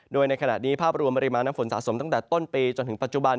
โดยในขณะนี้ภาพรวมปริมาณน้ำฝนสะสมตั้งแต่ต้นปีจนถึงปัจจุบัน